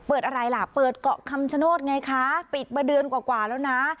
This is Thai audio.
อะไรล่ะเปิดเกาะคำชโนธไงคะปิดมาเดือนกว่าแล้วนะ